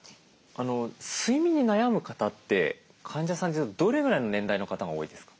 睡眠に悩む方って患者さんでどれぐらいの年代の方が多いですか？